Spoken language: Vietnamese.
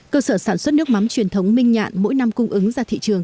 cơ sở sản xuất nước mắm truyền thống minh nhạn mỗi năm cung ứng ra thị trường